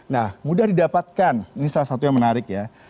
nah mudah didapatkan ini salah satu yang menarik ya